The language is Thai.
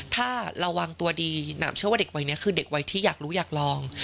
ถ้าระวังตัวดีหนามเชื่อว่าเด็กวัยนี้คือเด็กวัยที่อยากรู้อยากลอง